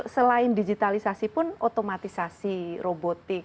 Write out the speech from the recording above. selain digitalisasi pun otomatisasi robotik